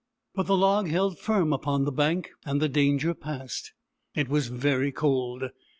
But the log held firm upon the bank, and the danger passed. It was very cold.